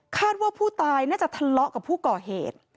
ว่าผู้ตายน่าจะทะเลาะกับผู้ก่อเหตุ